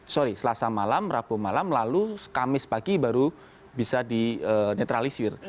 sorry selasa malam rabu malam lalu kamis pagi baru bisa dinetralisir